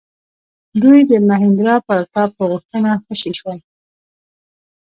دوی د مهیندرا پراتاپ په غوښتنه خوشي شول.